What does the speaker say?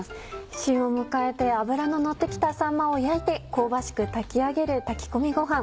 旬を迎えて脂ののって来たさんまを焼いて香ばしく炊き上げる炊き込みごはん。